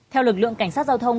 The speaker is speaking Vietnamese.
theo lực lượng cảnh sát giao thông